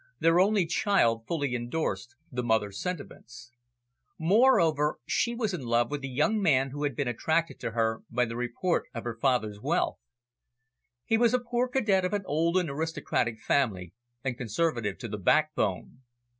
Their only child fully endorsed the mother's sentiments. Moreover, she was in love with a young man who had been attracted to her by the report of her father's wealth. He was a poor cadet of an old and aristocratic family, and conservative to the backbone.